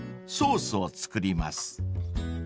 ［ソースを作ります］